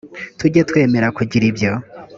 tujye twemera kugira ibyo